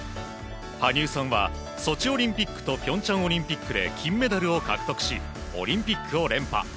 羽生さんはソチオリンピックと平昌オリンピックで金メダルを獲得しオリンピックを連覇。